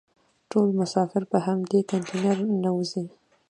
ټول مسافر په همدې کانتینر ننوزي.